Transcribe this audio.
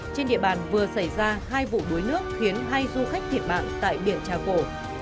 trên địa bàn vừa xảy ra hai vụ đuối nước khiến hai du khách thiệt mạng tại biển trà cổ